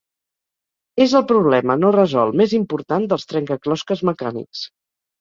És el problema no resolt més important dels trencaclosques mecànics.